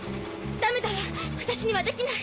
ダメだわ私にはできない。